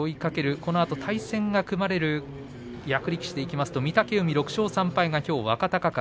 このあと対戦が組まれる役力士でいいますと御嶽海が若隆景。